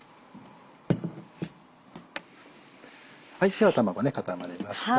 では卵固まりました。